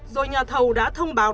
rồi nhà thầu đã thông báo